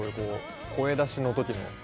声出しの時の。